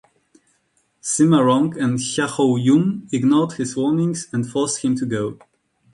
Sima Rong and Xiahou Jun ignored his warning and forced him to go.